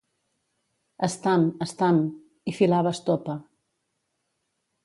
Estam, estam... i filava estopa.